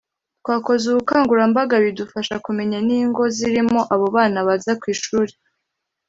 twakoze ubukangurambaga bidufasha kumenya n’ingo zirimo abo bana baza ku ishuri